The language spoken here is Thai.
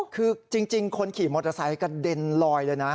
คือจริงคนขี่มอเตอร์ไซค์กระเด็นลอยเลยนะ